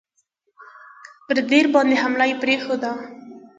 پر دیر باندي حمله یې پرېښوده.